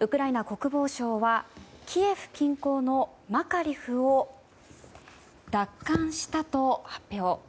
ウクライナ国防省はキエフ近郊のマカリフを奪還したと発表。